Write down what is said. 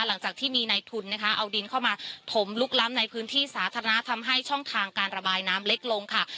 หลังจากที่มีในทุนนะคะเอาดินเข้ามาถมลุกล้ำในพื้นที่สาธารณะทำให้ช่องทางการระบายน้ำเล็กลงค่ะ